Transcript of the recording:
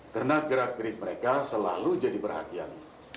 karena gerak gerik mereka selalu jadi perhatian